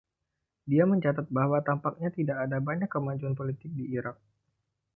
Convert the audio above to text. Dia mencatat bahwa, "tampaknya tidak ada banyak kemajuan politik" di Irak.